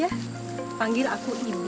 tapi kamu jangan panggil aku budi lagi ya